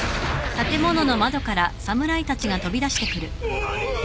何！？